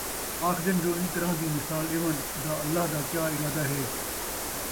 آکھدن جو ایں طرح دِی مثال ݙیوݨ دا اَللہ دا کیا اِرادہ ہے،